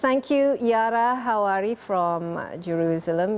terima kasih yara hawari dari jerusalem